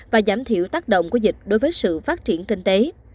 và giảm thiểu tác động của dịch đối với sự phát triển kinh tế